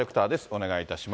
お願いいたします。